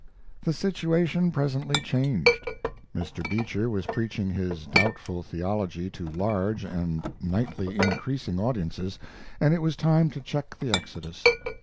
The situation presently changed. Mr. Beecher was preaching his doubtful theology to large and nightly increasing audiences, and it was time to check the exodus.